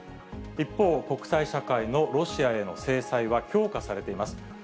一方、国際社会のロシアへの制裁は強化されています。